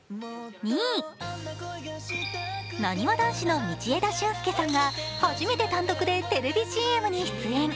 なにわ男子の道枝駿佑さんが初めて単独でテレビＣＭに出演。